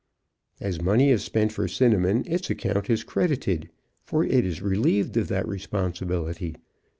As money is spent for Cinnamon, its account is credited, for it is relieved of that responsibility.